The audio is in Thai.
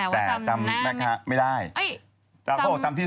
แต่ว่าจำแม่ค้าไม่ได้